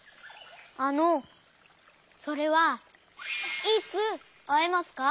あのそれはいつあえますか？